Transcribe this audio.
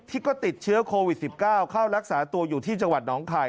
ที่ก็ติดเชื้อโควิด๑๙เข้ารักษาตัวอยู่ที่จังหวัดหนองคาย